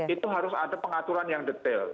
itu harus ada pengaturan yang detail